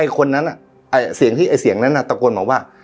ไอ้คนนั้นน่ะไอ้เสียงที่ไอ้เสียงนั้นน่ะตะโกนมาว่า